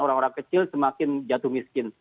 orang orang kecil semakin jatuh miskin